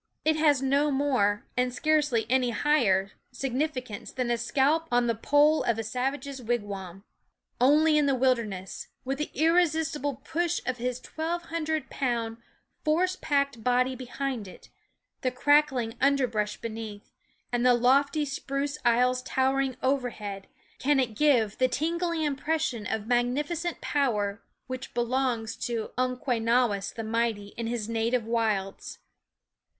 It has no more, and scarcely any higher, signifi cance than a scalp on the pole of a savage's wigwam. Only in the wilderness, with the irresistible push of his twelve hundred pound, force packed body behind it, the crackling underbrush beneath, and the lofty spruce aisles towering overhead, can it give the tingling impression of magnificent power which belongs to Umquenawis the Mighty in his native wilds.